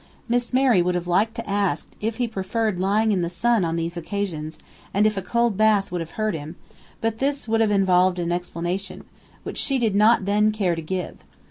Miss Mary would have liked to ask if he preferred lying in the sun on these occasions, and if a cold bath would have hurt him; but this would have involved an explanation, which she did not then care to give.